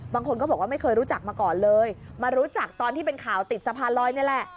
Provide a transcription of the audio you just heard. บางคนก็บอกว่าไม่เคยรู้จักมาก่อนเลยมารู้จักตอนที่เป็นข่าวติดสะพานลอยนี่แหละ